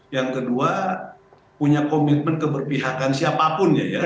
yang kedua punya komitmen keberpihakan siapapun ya